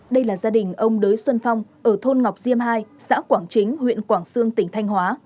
đây là gia đình ông đới xuân phong ở thôn ngọc diêm hai xã quảng chính huyện quảng sương tỉnh thanh hóa